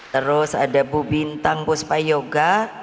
terus ada bu bintang buspayoga